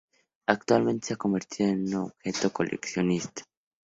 Actualmente se ha convertido en un objeto de coleccionista.